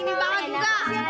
ini banget juga